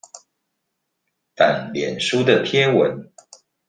但臉書的貼文